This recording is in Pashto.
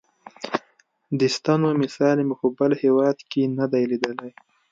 دې ستنو مثال مې په بل هېواد کې نه دی لیدلی.